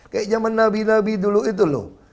kayak zaman nabi nabi dulu itu loh